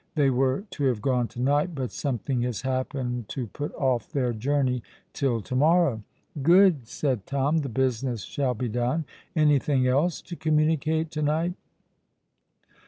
They were to have gone to night; but something has happened to put off their journey till to morrow." "Good," said Tom. "The business shall be done. Any thing else to communicate to night?"